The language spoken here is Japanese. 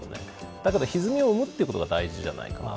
だけど、ひずみを生むということが大事じゃないかな。